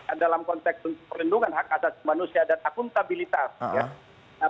ini dalam konteks perlindungan hak asas manusia dan akuntabilitas ya